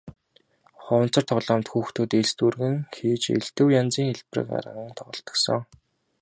Хуванцар тоглоомд хүүхдүүд элс дүүргэн хийж элдэв янзын хэлбэр гарган тоглодог сон.